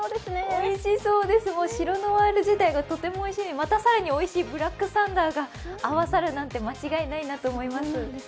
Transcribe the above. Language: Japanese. おいしそうです、白ノワール自体がとてもおいしい、また更においしいブラックサンダーが合わさるなんて間違いないって感じです。